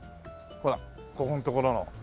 ほらここの所の。